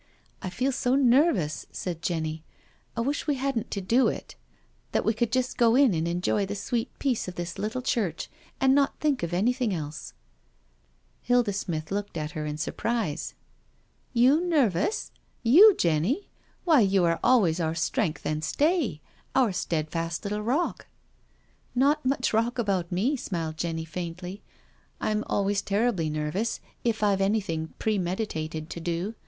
" I feel so nervous," said Jenny, " I wish we hadn't to do it— that we could just go in and enjoy the sweet peace of this little church and not think of anything else." Hilda Smith looked at her in surprise; m 'MIDDLEHAM CHURCH i8i •* You nervous? You, Jenny? Why, you are always our strength and stay — our steadfast little rock," *' Not much rock about me/* smiled Jenny faintly, ••I'm always terribly nervous if IVe anything pre meditated to do.